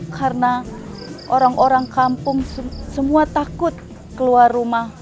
karena orang orang kampung semua takut keluar rumah